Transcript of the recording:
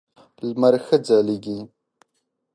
لمر ښه ځلېږي .